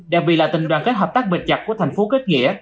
đặc biệt là tình đoàn kết hợp tác bình chặt của thành phố kết nghĩa